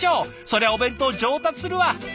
そりゃお弁当上達するわ！